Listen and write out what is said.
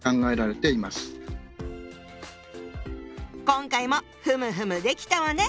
今回もふむふむできたわね！